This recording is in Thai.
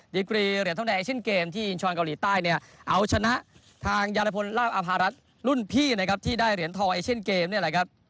ดิกรีเหรียญทองแดงเกมที่อินชวนเกาหลีใต้เนี่ยเอาชนะทางยานพลลาบอภาระรุ่นพี่นะครับที่ได้เหรียญทองเกมเนี่ยอะไรครับ